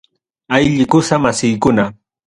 Haylli kusa masiykuna.